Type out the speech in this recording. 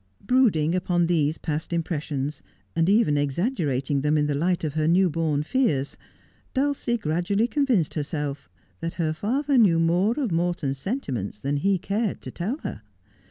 Brooding upon these past impressions, and even exaggerating them in the light of her new born fears, Dulcie gradually con vinced herself that her father knew more of Morton's sentiments than he cared to tell her.